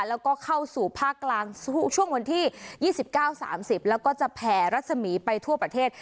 แล้วก็เข้าสู่ภาคกลางช่วงวันที่๒๙๓๐แล้วก็จะแผ่รัศมีร์ไปทั่วประเทศ